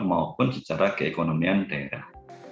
maupun secara keekonomian daerah